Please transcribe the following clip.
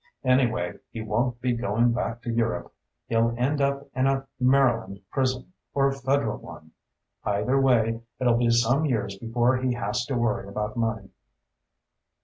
Anyway, he won't be going back to Europe. He'll end up in a Maryland prison, or a Federal one. Either way, it'll be some years before he has to worry about money."